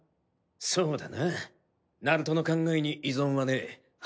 そうだなナルトの考えに異存はねえ。